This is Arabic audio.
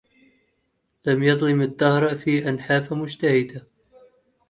لم يظلم الدهر في أن حاف مجتهدا